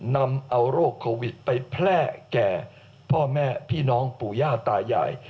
นำเอาโรคโควิดไปแพร่แก่พ่อแม่พี่น้องปู่ย่าตายาย